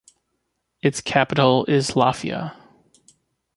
Its capital is Lafia.